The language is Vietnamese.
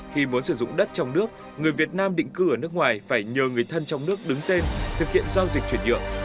khi muốn sử dụng đất trong nước người việt nam định cư ở nước ngoài phải nhờ người thân trong nước đứng tên thực hiện giao dịch chuyển nhượng